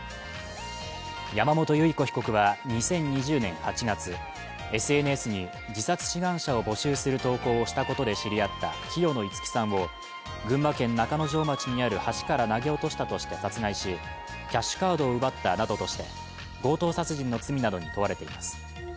山本結子被告は２０２０年８月、ＳＮＳに自殺志願者を募集する投稿をしたことで知り合った清野いつきさんを群馬県中之条町にある橋から投げ落として殺害しキャッシュカードを奪ったなどとして強盗殺人の罪などに問われています。